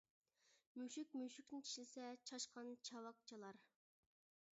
مۈشۈك مۈشۈكنى چىشلىسە، چاشقان چاۋاك چالار.